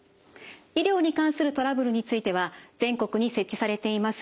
医療に関するトラブルについては全国に設置されています